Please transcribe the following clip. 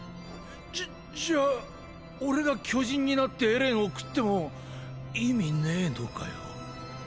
じじゃあ俺が巨人になってエレンを食っても意味ねぇのかよ。